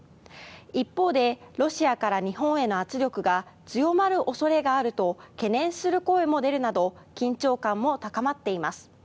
一方でロシアから日本への圧力が強まる恐れがあると懸念する声も出るなど緊張感も高まっています。